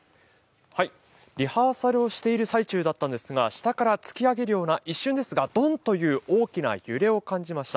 リハーサルをしている最中だったんですが、下から突き上げるような一瞬ですがドンという大きな揺れを感じました。